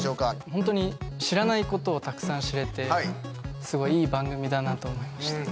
ホントに知らないことをたくさん知れてすごいいい番組だなと思いました